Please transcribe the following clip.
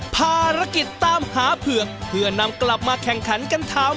ภารกิจตามหาเผือกเพื่อนำกลับมาแข่งขันกันทำ